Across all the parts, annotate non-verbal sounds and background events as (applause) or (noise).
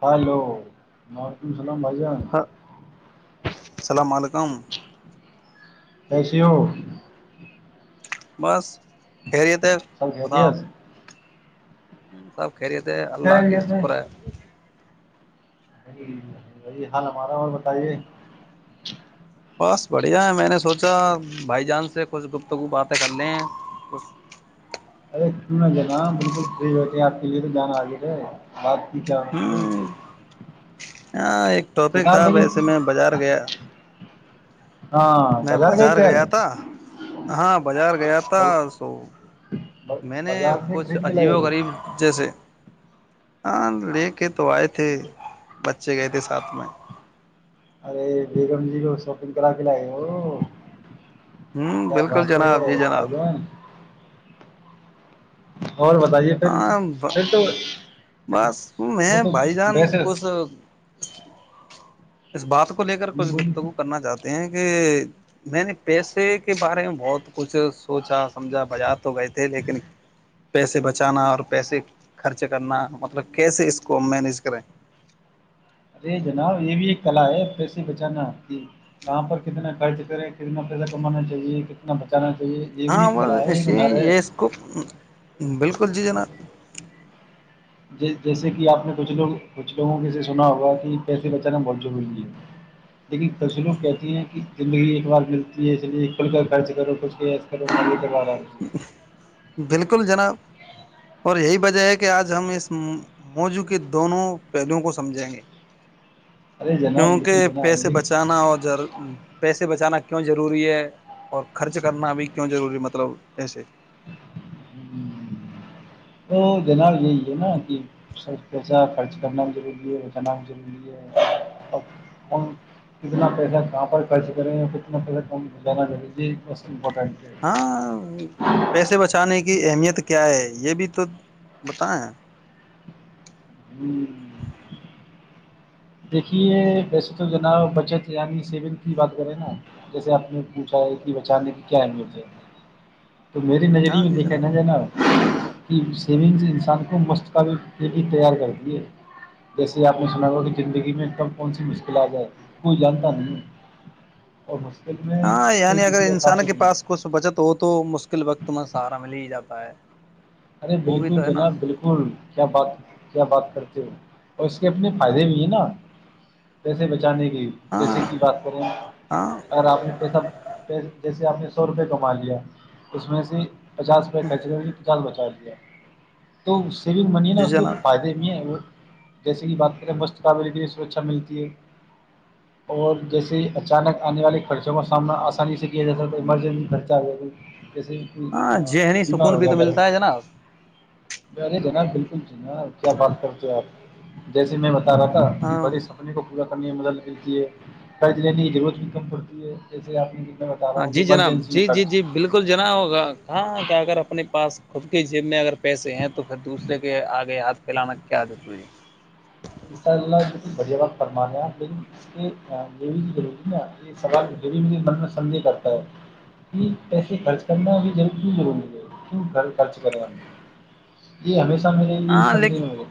hello وعلیکم السلام بھائی جان السلام علیکم ایسیے ہو بس خیریت ہے سب خیریت سب خیریت ہے اللہ کی شکر ہے وہی حال ہمارا اور بتائیے بس بڑھیا ہے میں نے سوچا بھائی جان سے کچھ گفتگو باتیں کرلیں ارے کیوںنا ج ن بالکل فریٹے آپ کے لی جانا آگے بات کی کیا ہوں ہاں ایک ٹاپک تھا جناب ا و لیکن ایسے میں بازار گیا ہاں میں گئے بازار تھے گیا تھا آج ہاں بازار گیا تھا سو میں نے بازار سے کچھ خرید کے عجیب لائے و ہو کچھ غریب جیسے ہاں لے کے تو آئے تھے بچے گئے تھے ساتھ میں ارے بیگم جی کو شاپگ کرا کے لائے ہو ہوں کیا بالکل بات ہے جناب جی بھائی جناب جان اور بتائیے پھر ہاں پھر تو بس وہ میں تو بھائی جان بیس کچھ اس بات کو لے کر کچھ بولی بتوں کو کرنا چاہتے ہیں کہ میں نے پیسے کے بارے میں بہت کچھ سوچا سمجھا بجا تو گئے تھے لیکن پیسے بچانا اور پیسے خرچ کرنا مطلب کیسے اس کو مینیج کریں ارے جناب یہ بھی ایک کلا ہے پھرس بچانا آپ کی کہاں پر کتنا خرچ کریں کتنا پیسہ کمانا چاہیے کتنا بچانا چاہیے یہ بھی ہاں ایک وہ کلا ہے ایک ایے ہنر ہے یہ اس کو بالکل جی جناب جیسے کہ آپ نے کچھ لوگ کچھ لوگوں کے سے سنا ہوگا کہ پیسے بچانا بہت ضروری ہے (unintelligible) لیکن تصویروں کہتی ہیں کہ زندگی ایک بار ملتی ہے اس لیے کل کر خرچ کرو کچھ کے کرو مار بالکل جناب اور یہی وجہ ہے کہ آج ہم اس موضووں کے دونوں پہلوؤں کو سمجھیں گے ارے جناب لیکن کیونکہ جناب پیسے بچانا اور پیسے بچانا کیوں ضروری ہے اور خرچ کرنا بھی کیوں ضروری مطلب ایسے لیکن تو جناب یہی ہے نا کہ سر پیسہ خرچ کرنا بھی ضروری ہے ہو جانا بھی ضروری ہے (unintelligible) کتنا پیسہ کہاں پر خرچ کریں اور کتنا پیسہ کوم جانا اہی یہ بس امپورٹنٹ ہے ہاں پیسے بچانے کی اہمیت کیا ہے یہ بھی تو بتائیں ہم دیکھیے ویسے تو جناا بچت یعنی سیونگ کی بات کریں نا جیسے اپنی اونچائی انی بچانے کی کیا اہمیت ہے (unintelligible) تو میری نظریہ ہاں میں جی دیکھا جناب جائے نہ کہ سیونگز انسان کو مستقب پ (unintelligible) بھی تیار کرتی ہے جسے آپ نے سنا ہو کہ زندگی میں کم کون سی مشکلات ہے کوئی جانتا نہیں اور مستق میں ہاں کوئی یعنی اگر کسی کا خفت انسان کے نہیں پاس کچھ بچت ہو تو مشکل وقت میں سہارا مل ہی جاتا ہے ار وہ بھی بالکل تو ہے نا جناب بالکل اسکول کیا بات کیا بات کرتے ہو اور اس کے اپنے فائدے بھی ہیں نا پیسے بچانے کی ہاں جیسے کی بات کریں ہاں اگر آپ نے پیسہ جیسے آپ نے سو روپئے کما لیا اس میں سے پچاس روپئے کرچ ہوئے تو پچاس بچا لیا تو سیونگ منی ہے نا جی اس کے جناب فائدے بھی ہے وہ جیسے کہ بات کریں مست قابل ہے سرکھا ملتی ہے ہ اور جیسے اچانک آنے والے خرچوں کا سامنا آسانی سے کیا جا سکتا ہے ایمرجنسی خرچہ آ جائے کسے کو ہاں ذہنی بیمار سکون ہو بھی جیا تو گیر ملتا ہے جناب رے جناب بالکل جنا کیا بات کرتے ہو آپ جیسے میں بتا رہا تھا کہ ہاں بڑے س کو پورا کرنے میں مدد ملتی ہے قرض لینے کی ضرورت بھی کم پڑتی ہے جیسے آپ میں بتا رہا ہاں ہوں کہ جی جناب ایمرجنسی میں جی جی خرچ جی بالکل جنا ہوگا کہاں کہ اگر اپنے پاس خود کی جیب میں اگر پیسے ہیں تو پھر دوسرے کے آگے ہاتھ پھیلانا کیاضروری ہے ان شاء اللہ بڑھیا وقت فرمانے لیکن اس کے دیوی کیوری سوال ڈری مے مط سمجے کرتا ہے (inaudible) کہ پیسے خرچ کرنا بھی کیوں ضروری ہے کیوں خرچ کریں جی ہمیشہ میرے لیے ہاں سمجھنے لیکن آے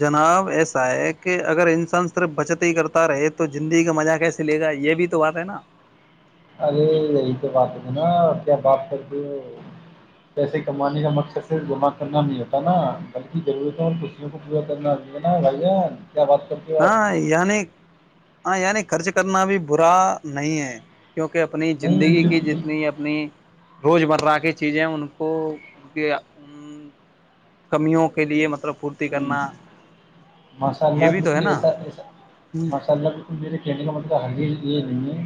جناب ایسا ہے کہ اگر انسان صرف بچت ہی کرتا رہے تو زندگی کا مزہ کیسے چلے گا یہ بھی تو بات ہے نا ارے یہی تو بات ہے نا کیا بات کرتی پیسے کمانے کا مقصد صرف گما کرنا نہیں ہوتا نا بلکہ ضرورت ہے اور کچھ ج کرنا ن بھ گ بق تو ہاں یعنی ہاں یعنی خرچ کرنا بھی برا نہیں ہے کیونکہ اپنی نہیں زندگی کی بالکل جتنی اپنی روزمرہ کی چیزیں ان کو ان کے ان کمیوں کے لیے مطلب ف ہ ماشاء اللہ یہ بھی تو ہے بالکل نا ایسا ایسا ہ م سد ب میرے کیڈلا م تو ہ یہ نہیں ہے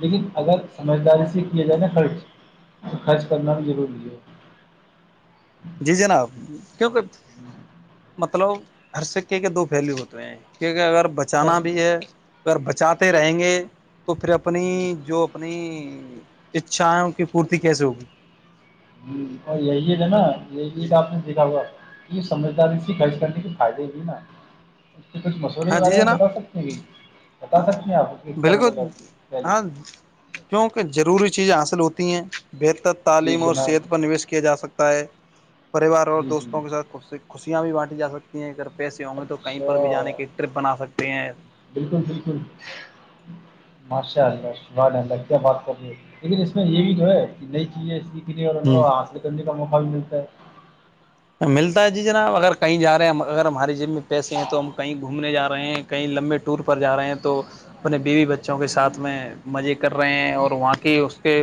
لیکن اگر سمجھداری سے کیے جائےا خرچ تو خرچ کرنا بھی ضروری ہے جی جناب کیوں کر مطلب ہر سکے کے دو پھیلو ہوتے ہیں کیونکہ اگر اور بچانا بھی ہے اگر بچاتے رہیں گے تو پھر اپنی جو اپنی اچھاں کی پورتی کیسے ہوگی ہ اور یہی ہے نا یہ جی ج آپ نے جناب دکھا ہوا کہ یہ سمجھداری سے خرض کرنے کے فائدے ہو نا کچھ مسورے ہاں کے جی بارے میں بتا جناب سکتے ہیں کہ بتا سکتے ہیں آپ کیا بالکل مے ہاں کیونکہ ضروری چیزیں حاصل ہوتی ہیں بہتر جی تعلیم اور جناب صحت پر نویش کیا جا سکتا ہے پریوار اور جی جی دوستوں کے ساتھ خ خوشیاں بھی بانٹی جا سکتی ہیں اگر پیسے ہوں گے تو کہیں اچھا پر بھی جانے کے ٹر بنا سکتے ہیں اے بالکل بالکل ماشاء اللہ ساللہ کیا بات کر رہ لیکن اس میں یہ بھی جو ہے کہ نئی چیزیں سیکھنے اور ان ہ کو حاصل کرنے کا موقع بھی ملتا ہے ملتا ہے جی جناب اگر کہیں جا رہے ہیں ہم اگر ہمارے م میں پیسے ہیں تو ہم کہیں گھومنے جاے ہیں کہیں لمبے ٹور پر جا رہے ہیں تو اپنے بیوی بچوں کے ساتھ میں مزے کر رہے ہیں اور وہاں کی اس کے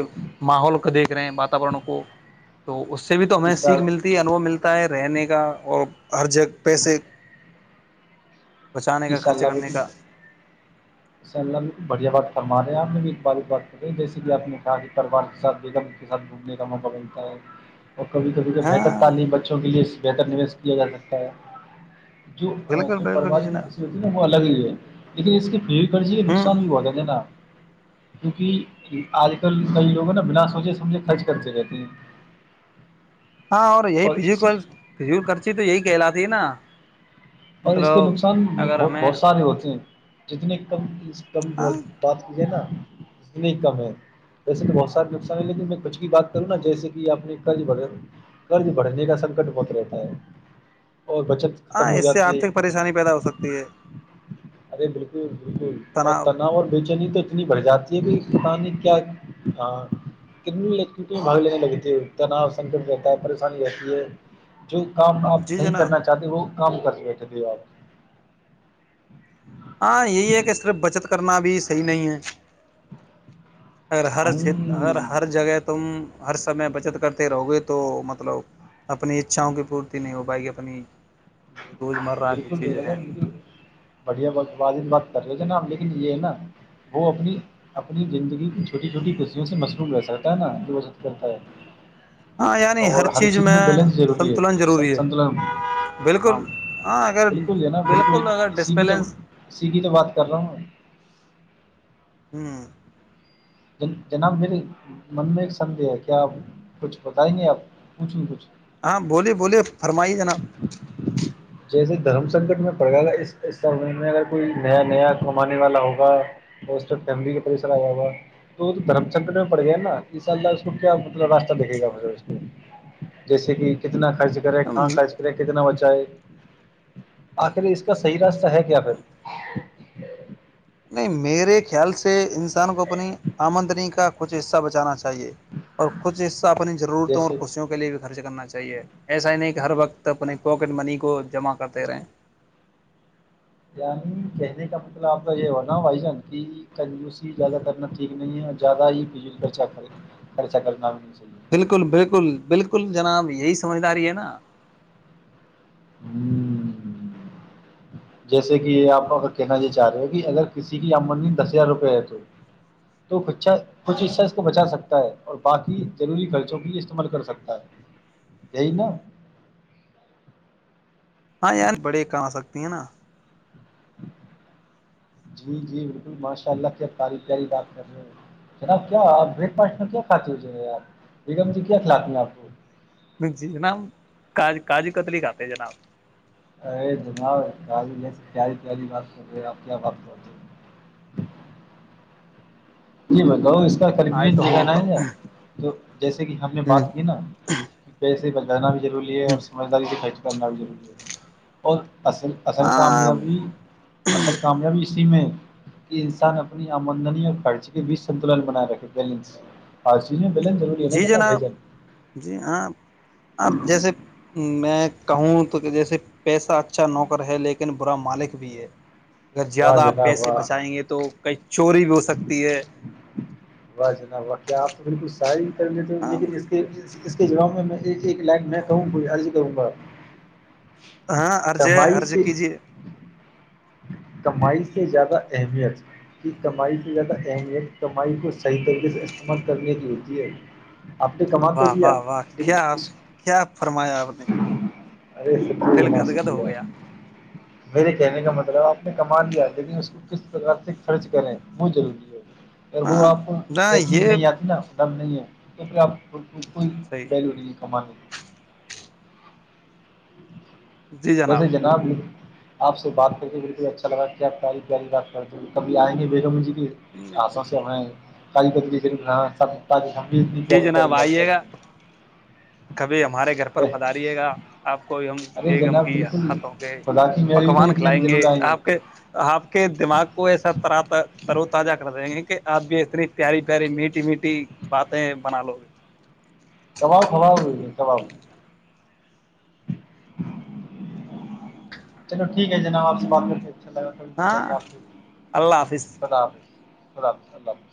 ماحول کو دیکھ رہے ہیں واتورن کو تو اس سے بھی تو ہمیں اس سیکھ سال ملتی ہے انھو ملتا ہے رہنے کا اور ہر جگہ جی پیسے بچانے کا انشاء خرچ کرنے کا ااء اللہ بالکل بڑھیا بات فرماے ہیں آپ نے ایک بارک بات کری ہیں جیسے کہ آپ نے کہا کہ پروار کے ساتھ بیگم کے ساتھ منے کا موقع ملتا ہے اور کبھی کبھی کو بہتر ہاں تعلیم بچوں کے لیے بہتر نویش کیا جا سکتا ہے جو بالکل جو بالکل پروار جی کی جناب تصویر وہ الگ ہی ہے لیکن اس کی پل کرجی ہوں نقصان بھی بہت ہے نا کیونکہ آج کل کئی لوگ ہیں نا بنا سوچے سمجھے خرچ کرتے رہتے ہیں ہاں اور یہی فج فج کرچی تو یہی کہلات ت نا اور اس کے مطلب نقصان اگر ہمیں بہت سارے ہوتے ہیں جتنے کم کم ہاں ور بات کیجیے نا ات میں ہی کم ہے ویسے تو بہت سارے نقصان ہیں لیکن میں کچھ کی بات کروں نا جیس کہ آپ نے قض بغ قرض بڑھنے کا سنکٹ بہت رہتا ہے اور بچت ہاں ختم ہو اس سے جاتی ہے آرتھک پریشانی پیدا ہو سکتی ہے ارے بالکل بالکل اور تناؤ اور بےچینی تو اتنی بڑھ جاتی ہے کہ کسانی کیا ہاں کتنی لیک میں بھگ لینے لگتی ہے اتنا سنکٹ رہتا ہے پریشانی رہتی ہے جو کام آپ جی نہیں جناب کرنا چاہتے وہ کام کر بیٹھے تھے آپ ہاں یہی ہے کہ صرف بچت کرنا بھی صحیح نہیں ہے اگر ہر ہوں چ اگر ہر جگہ تم ہر سمے بچت کرتے رہو گے تو مطلب اپنی اچھاؤں کی پورتی نہیں ہو پائے گ اپنی جو روزمرہ کی بالکل چیزیں بھیا ہیں بالکل بڑھیا واز بات کر لے ج نا لیکن یہ ہے نا وہ اپنی اپنی زندگی چھوٹی چھوٹی خشیوں سے مصروف رہ سکتا ہے نا جو و کرتا ہے اور ہر چیز میں بیلنس ضروری ہے سنتلن س ضروری ہے سنتلن ہاں بالکل ہاں اگر بالکل جناب بالکل اگر اسیھی تو ڈسپیلنس سیھی تو بات کر رہا ہوں میں ہوں جناب میرے من میں ایک سدہ ہے کیا آب کچھ بتا ہی نہیں آپ پچھ ن کچھ ہاں بولیے بولیے فرمائیے جناب جیسے دھرم سنکٹ میں پڑ گا گا اس سمے میں اگر کوئی نیا نیا کمانے والا ہوگا تو اس فیملی کے طریسر آ جیا ہو گا تو وہ تو دھرم چندر میں پڑ گیا نا اسال اللہ اس کو کیا مطلب راستہ دیکھے گا م جیسے کہ کتنا خرچ کرے کہاں جناب خرچ کرے کتنا بچہ ہے آخر اس کا صحیح راستہ ہے کیا پھر نہیں میرے خیال سے انسان کو اپنی آمدنی کا کچھ حصہ بچانا چاہیے اور کچھ حصہ اپنی ضرورتوں اور جیسے خوشیوں کو لیے بھی خرچ کرنا چاہیے ایسا ہی نہیں کہ ہر وقت اپنے پواکٹ منی کو جمع کرتے رہیں یعنی کہنے کا مطلب آپ کا یہ ہوناا بھائی جان کی کنجوزسی زیادہ کرنا ٹھیک نہیں ہے اور زیادہ ہی خرچہ کرنا بھی نہیں چاہیے بالکل بالکل بالکل جناب یہی سمجھداری ہے نا ہوں جیسے کہ آپ اگر کہنا یہ چاہ رہے ہو کہ اگر کسی کی آمدنی دس ہزار روپئے ہے تو تو کچھا کچھ حصہ اس کو بچا سکتا ہے اور باقی ضروری خرچوں کے لیے استعمال کر سکتا ہے یہی نا (unintelligible) ہاں یار بڑے کم آ سکتی ہیں نا (inaudible) جی جی بالکل ماشاء اللہ کیب تعریفیاری بات کر رہے ہو جناب کیا آپ بریک فاسٹ میں کیا کھاتی ہو جے یار بیگم جی کیا کھلاتی ہیں آپ کو جی جناب کاج کاجو کتلی کھاتے جناب ارے دنا بساریاری بات کرتے آپ کیا بات کر ہیں جی بتاؤ اس کا آج خریبین تو ہم ہوں جگانا ہے تو جیسے کہ ہم نے ہ بات کی نا کہ پیسے بجانا بھی ضروری ہے اور سمجھداری سے خرچ کرنا بھی ضروری ہے اور اصل اصل ہاں کامیابی اصل کامیابی اسی میں ہے کہ انسان اپنی آمدنی اور خرچ بیچ سنتلن بناائے رکھے بیلنس اور چیز میں بیلنس ضروری ہے جی نا بھا ئ جناب جان جی ہاں آپ جیسے (unintelligible) میں کہوں تو کہ جیسے پیسہ اچھا نوکر ہے لیکن برا مالک بھی ہے اگر واہ زیادہ آپ جناب پیسے واہ بچائیں گے تو کئی چوری بھی ہو سکتی ہے واہ جناب واہ کیا آپ تو بالکل شاعری کر لیتے ان کے جیسے اس کے جواب میں ایک ایک لائن میں کہوں کوئ عرض کروں گا ہاں عرض ہے کمائی عرض سے کیجیے کمائی سے زیادہ اہمیت کمائی کی زیادہ اہمیت کمائی کو صحیح طریقے سے استعمال کرنے کی ہوتی ہے آپ نے کما تو واہ لیا واہ واہ لیکن کیا اس کیا فرمایا آپ نے ارے سب کو دل گد ہماست گد لیا ہو گیا میرے کہنے کا مطلب آپ میں کما لیا لیکن اس کو کس طرح سے خرچ کریں وہ ضروری ہے دیکھو ہاں آپ نہ ٹیکنک یہ نہیں آتی نا تب نہیں ہے کیوں کہ آپ بلکل صحیح ڈیل ہو گی کمائ ویسے جناب آپ سے بات کر کے اچھا لگا کہ آپ پیاری پیاری بات کرتے کبھی آئیں گے بیگم جی کے ہاتھوں سے ہم (unintelligible) جی پیاری جناب پیاری بات آئیے کر گا سکیں کبھی ہمارے گھر پر پدھاریے گا آپ کو ہم ارے بیگم جناب کی ہا بالکل تھوں کے خدا کی مہربانی تو پکوان ایک دن کھلائیں گے ضرور آئیں آپ کے آپ کے دماغ کو ایسا طرح پر وہ تازہ خبر ہے آپ بھی اتنی پیاری پیاری میٹھی میٹھی باتیں بنا لو کباب خراب ہو گئی کباب چلو ٹھیک ہے جناب آپ سے بات کرتے مل گئ ہاں اللہ حافظ خدا حافظ خدا حافظ